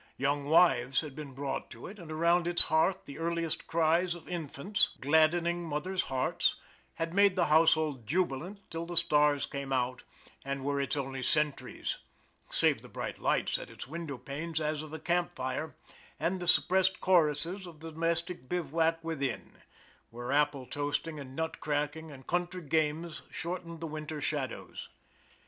Young wives had been brought to it, and around its hearth the earliest cries of infants, gladdening mothers' hearts, had made the household jubilant till the stars came out, and were its only sentries, save the bright lights at its window panes as of a camp fire, and the suppressed chorusses of the domestic bivouac within, where apple toasting and nut cracking and country games shortened the winter shadows.